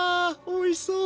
おいしそう。